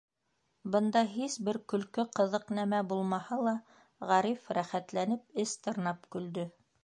Бында һис бер көлкө, ҡыҙыҡ нәмә булмаһа ла, Ғариф, рәхәтләнеп, эс тырнап көлдө.